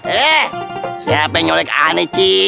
eh siapa yang nyolek ane ci